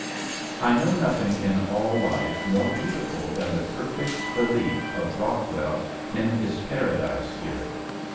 I know nothing in all life more beautiful than the perfect belief of Rockwell in his Paradise here.